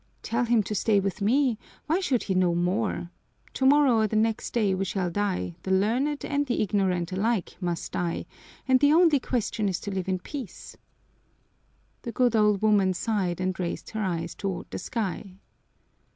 "Tell him to stay with me why should he know more? Tomorrow or the next day we shall die, the learned and the ignorant alike must die, and the only question is to live in peace." The good old woman sighed and raised her eyes toward the sky.